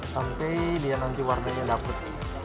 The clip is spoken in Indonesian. sampai dia nanti warnanya dapet